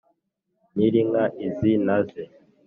nyiri inka izi naze